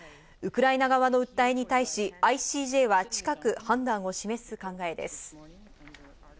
ウクライナ側の訴えに対し、ＩＣＪは近く判断を示す考えです。